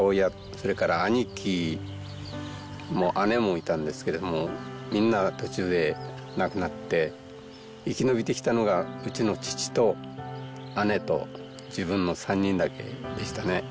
それから兄貴も姉もいたんですけれどもみんな途中で亡くなって生き延びてきたのがうちの父と姉と自分の３人だけでしたね。